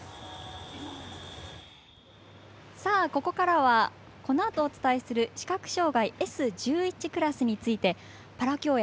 ここからはこのあとお伝えする視覚障がいＳ１１クラスについてパラ競泳